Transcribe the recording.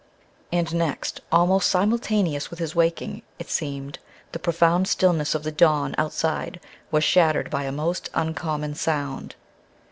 And next almost simultaneous with his waking, it seemed the profound stillness of the dawn outside was shattered by a most uncommon sound.